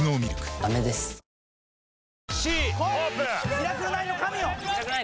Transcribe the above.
『ミラクル９』の神よ！